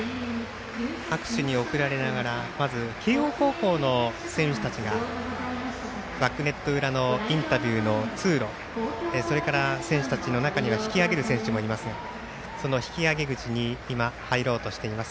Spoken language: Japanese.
拍手に送られながら慶応高校の選手たちがバックネット裏の通路、それから選手たちの中には引き揚げる選手もいますがその引き揚げ口に向かいます。